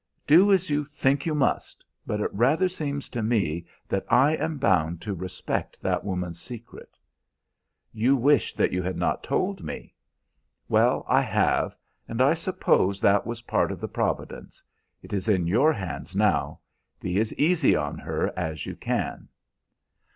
"Do as you think you must; but it rather seems to me that I am bound to respect that woman's secret." "You wish that you had not told me." "Well, I have, and I suppose that was part of the providence. It is in your hands now; be as easy on her as you can."